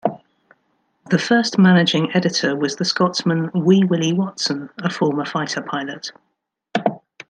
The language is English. The first Managing Editor was the Scotsman "Wee Willie Watson", a former fighter pilot.